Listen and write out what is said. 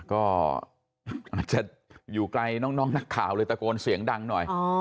ก็อาจจะอยู่ไกลน้องนักข่าวเลยตะโกนเสียงดังหน่อย